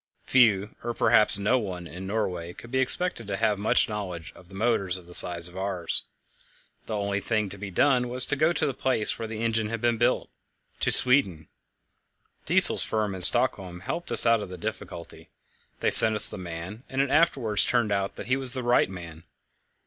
Few, or perhaps no one, in Norway could be expected to have much knowledge of motors of the size of ours. The only thing to be done was to go to the place where the engine was built to Sweden. Diesel's firm in Stockholm helped us out of the difficulty; they sent us the man, and it afterwards turned out that he was the right man.